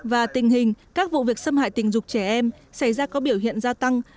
và tình hình các vụ việc xâm hại tình dục trẻ em xảy ra có biểu hiện gia tăng